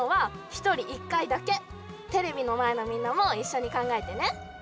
テレビのまえのみんなもいっしょにかんがえてね。